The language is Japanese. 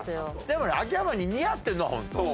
でもほら秋山に似合ってるのはホント。